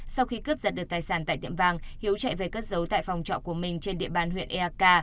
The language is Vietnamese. sau khi cướp giật được tài sản tại tiệm vàng hiếu chạy về cất giấu tại phòng trọ của mình trên địa bàn huyện eak